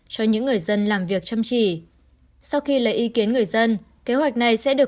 cho những người dân làm việc chăm chỉ sau khi lấy ý kiến người dân kế hoạch này sẽ được